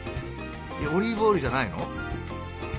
オリーブオイルじゃないの？